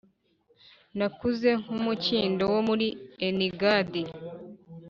Nakuze nk’umukindo wo muri Enigadi,